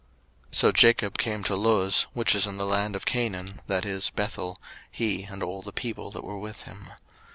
01:035:006 So Jacob came to Luz, which is in the land of Canaan, that is, Bethel, he and all the people that were with him.